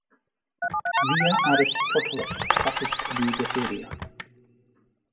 Via Aristotelis passes through this area.